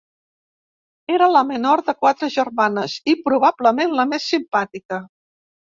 Era la menor de quatre germanes, i probablement la més simpàtica.